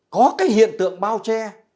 có cái hiện tượng bao che